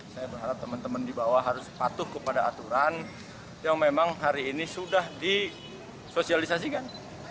saya berharap teman teman di bawah harus patuh kepada aturan yang memang hari ini sudah disosialisasikan